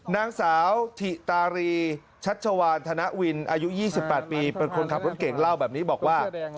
นางสาวถิตารีชัชวานธนวินอายุ๒๘ปีเป็นคนขับรถเก่งเล่าแบบนี้บอกว่า